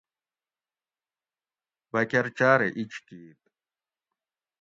بکۤر چاۤرہ اِیج کِیت